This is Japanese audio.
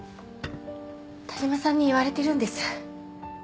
田島さんに言われてるんです。